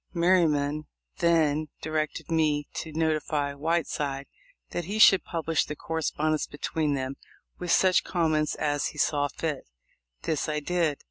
Merryman then directed me to notify Whiteside that he should publish the correspondence between them, with such comments as he saw fit. This I did.